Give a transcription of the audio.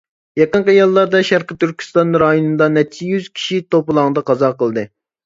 يېقىنقى يىللاردا، شەرقىي تۈركىستان رايونىدا نەچچە يۈز كىشى توپىلاڭدا قازا قىلدى .